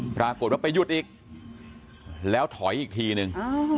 ปรากฏว่าไปหยุดอีกแล้วถอยอีกทีนึง